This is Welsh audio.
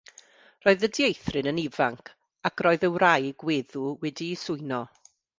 Roedd y dieithryn yn ifanc, ac roedd y wraig weddw wedi'i swyno.